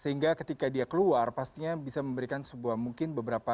sehingga ketika dia keluar pastinya bisa memberikan sebuah mungkin beberapa